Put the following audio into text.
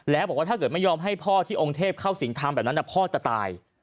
แล้วบอกว่าถ้าเกิดไม่ยอมให้พ่อที่องค์เทพเข้าสิงทำแบบนั้นพ่อจะตาย